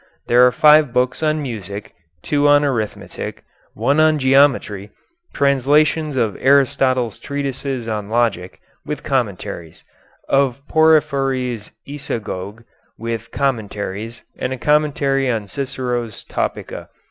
There are five books on music, two on arithmetic, one on geometry, translations of Aristotle's treatises on logic, with commentaries; of Porphyry's "Isagoge," with commentaries, and a commentary on Cicero's "Topica."